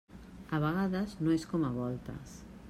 A vegades no és com a voltes.